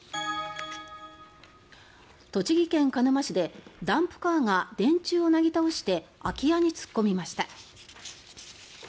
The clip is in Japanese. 栃木県鹿沼市でダンプカーが電柱をなぎ倒して空き家に突っ込みました。